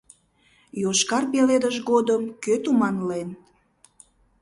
Йошкар пеледыш годым кӧ туманлен?